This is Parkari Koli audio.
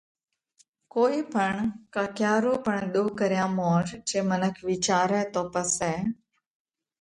ڪوئي پڻ ڪا ڪيا رو پڻ ۮوه ڪريا مور جي منک وِيچارئہ تو پسئہ